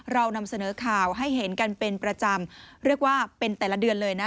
เรานำเสนอข่าวให้เห็นกันเป็นประจำเรียกว่าเป็นแต่ละเดือนเลยนะ